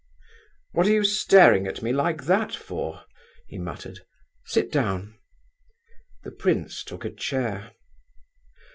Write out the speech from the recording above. "What are you staring at me like that for?" he muttered. "Sit down." The prince took a chair.